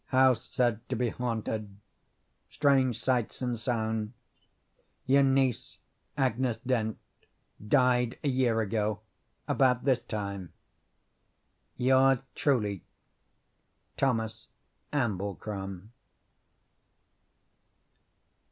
House said to be haunted. Strange sights and sounds. Your niece, Agnes Dent, died a year ago, about this time. "Yours truly, "THOMAS AMBLECROM."